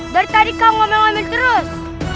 dari tadi kau mau menguasai terus